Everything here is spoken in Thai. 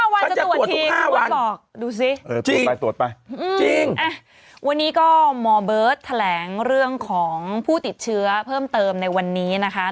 ห้าวันจะตรวจทีฉันบอกดูสิจริงจริงเอ๊ะวันนี้ก็มเบิร์ทแถลงเรื่องของผู้ติดเชื้อเพิ่มเติมในวันนี้นะคะ